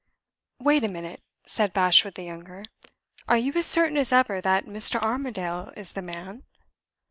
"Wait a minute," said Bashwood the younger. "Are you as certain as ever that Mr. Armadale is the man?"